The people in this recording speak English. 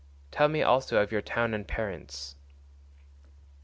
Tell me also of your town and parents."